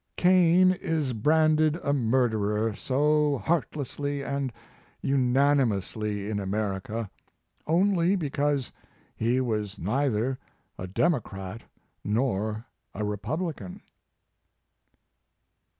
"Cain is branded a murderer so heart lessly and unanimously in America, only because he was neither a Democrat nor a Republican."